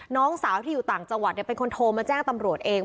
น้องสาวที่อยู่ต่างจังหวัดเป็นคนโทรมาแจ้งตำรวจเอง